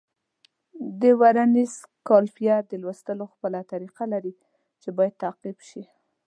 د ورنیز کالیپر د لوستلو خپله طریقه لري چې باید تعقیب شي.